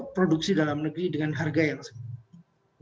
produksi dalam negeri dengan harga yang sebenarnya